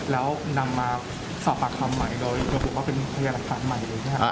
แล้วนำมาสภาคคำใหม่โดยผู้ว่าเป็นพยานเลขานใหม่เลยนะครับ